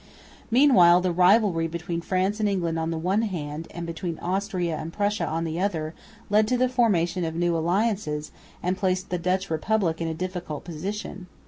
Meanwhile the rivalry between France and England on the one hand, and between Austria and Prussia on the other, led to the formation of new alliances, and placed the Dutch Republic in a difficult position.